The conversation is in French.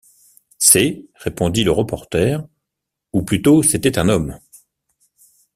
C’est, répondit le reporter, ou plutôt c’était un homme!